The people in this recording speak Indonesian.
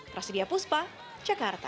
prasidia puspa jakarta